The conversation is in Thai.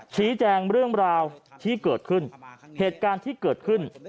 ชี้แจงเรื่องราวที่เกิดขึ้นเหตุการณ์ที่เกิดขึ้น